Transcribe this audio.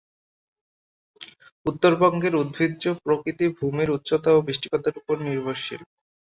উত্তরবঙ্গের উদ্ভিজ্জ প্রকৃতি ভূমির উচ্চতা ও বৃষ্টিপাতের উপর নির্ভরশীল।